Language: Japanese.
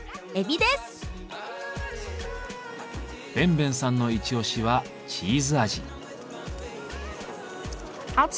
奔奔さんのイチオシはチーズ味。